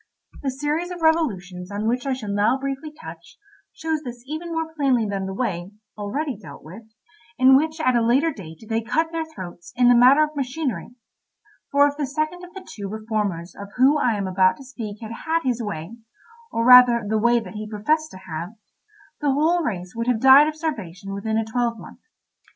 The series of revolutions on which I shall now briefly touch shows this even more plainly than the way (already dealt with) in which at a later date they cut their throats in the matter of machinery; for if the second of the two reformers of whom I am about to speak had had his way—or rather the way that he professed to have—the whole race would have died of starvation within a twelve month.